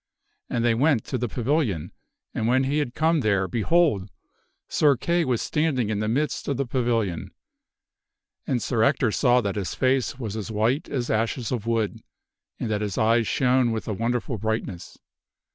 And they went to the pavilion, and when he had come there, behold ! Sir Kay was standing in the midst of the pavilion. And Sir Ector saw that his face was as white as ashes of wood and that his eyes shone with a wonderful brightness.